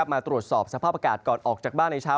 มาตรวจสอบสภาพอากาศก่อนออกจากบ้านในเช้า